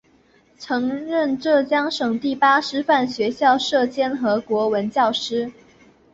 曾任浙江省第八师范学校舍监和国文教师。